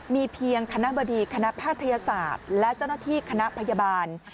มีเพียงคณะบดีคณะแพทยศาสตร์และเจ้าหน้าที่คณะพยาบาล